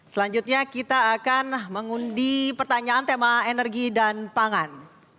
selanjutnya kita akan mengundi pertanyaan tema energi dan pangan